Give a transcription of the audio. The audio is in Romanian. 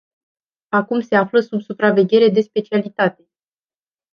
Acum se află sub supraveghere de specialitate.